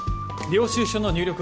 領収書の入力